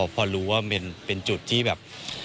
พอรู้ว่าเป็นจุดที่แบบ